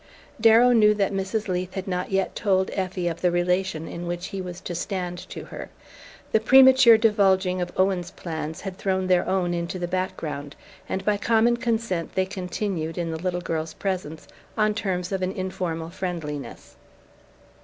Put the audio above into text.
Darrow knew that Mrs. Leath had not yet told Effie of the relation in which he was to stand to her. The premature divulging of Owen's plans had thrown their own into the background, and by common consent they continued, in the little girl's presence, on terms of an informal friendliness.